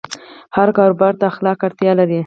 هر کاروبار ته اخلاق اړتیا لري.